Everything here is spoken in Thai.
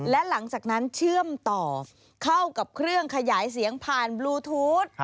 และหลังจากนั้นเชื่อมต่อเข้ากับเครื่องขยายเสียงผ่านบลูทูธ